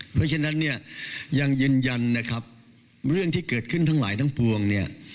เพราะฉะนั้นเนี่ยยังยืนยันนะครับเรื่องที่เกิดขึ้นทั้งหลายทั้งปวงเนี่ย